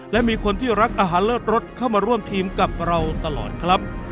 และมีคนที่รักอาหารเลิศรสเข้ามาร่วมทีมกับเราตลอดครับ